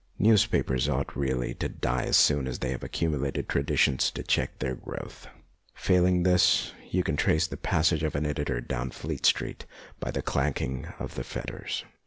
Newspapers ought really to die as soon as they have accumulated traditions to check their growth ; failing this, you can trace the passage of an editor down Fleet Street by the clanking of the fetters.